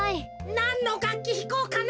なんのがっきひこうかな。